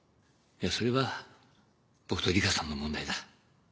それは僕と梨花さんの問題だ。